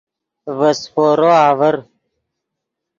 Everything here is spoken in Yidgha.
ڤے سیپورو آڤر